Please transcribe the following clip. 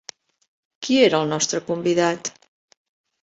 Qui era el nostre convidat?